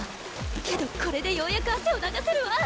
けどこれでようやく汗を流せるわ！